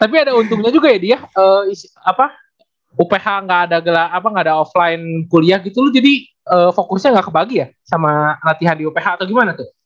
tapi ada untungnya juga ya dia uph nggak ada offline kuliah gitu loh jadi fokusnya gak kebagi ya sama latihan di uph atau gimana tuh